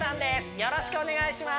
よろしくお願いします